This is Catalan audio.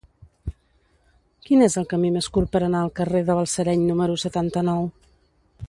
Quin és el camí més curt per anar al carrer de Balsareny número setanta-nou?